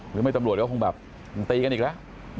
หรือไม่ตำรวจก็ตีกันอีกแล้ว